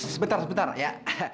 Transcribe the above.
sebentar sebentar ya